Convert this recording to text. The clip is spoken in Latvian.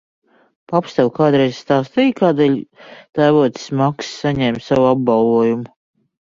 Paps tev kādreiz stāstīja, kādēļ tēvocis Maks saņēma savu apbalvojumu?